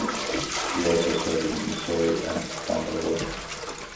He also served in Mysore and Bangalore.